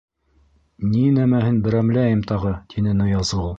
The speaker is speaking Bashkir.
— Ни нәмәһен берәмләйем тағы? — тине Ныязғол.